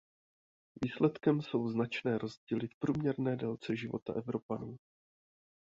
Výsledkem jsou značné rozdíly v průměrné délce života Evropanů.